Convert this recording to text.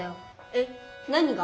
えっ何が？